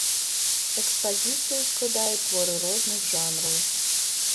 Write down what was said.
Экспазіцыю складаюць творы розных жанраў.